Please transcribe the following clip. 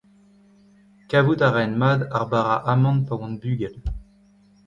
Kavout a raent mat ar bara amann pa oant bugel.